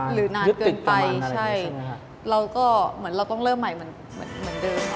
หรือนานเกินไปเราก็ต้องเริ่มใหม่เหมือนเดิม